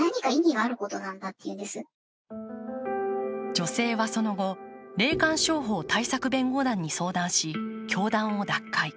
女性はその後、霊感商法対策弁護団に相談し、教団を奪回。